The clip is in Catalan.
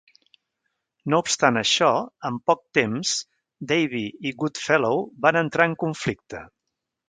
No obstant això, en poc temps, Davy i Goodfellow van entrar en conflicte.